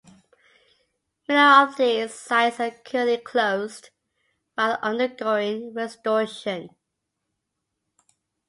Many of these sites are currently closed while undergoing restoration.